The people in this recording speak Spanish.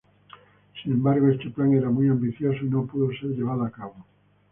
Sin embargo, este plan era muy ambicioso y no pudo ser llevado a cabo.